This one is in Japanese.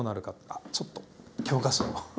あちょっと教科書を。